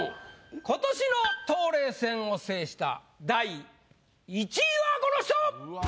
今年の冬麗戦を制した第１位はこの人！